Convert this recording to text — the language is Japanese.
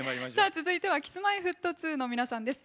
続いてはＫｉｓ‐Ｍｙ‐Ｆｔ２の皆さんです。